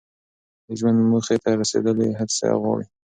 د ژوند موخې ته رسیدل هڅې غواړي.